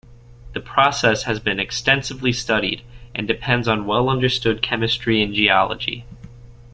The process has been extensively studied and depends on well-understood chemistry and geology.